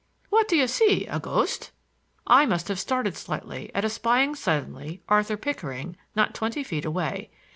"What do you see—a ghost?" I must have started slightly at espying suddenly Arthur Pickering not twenty feet away.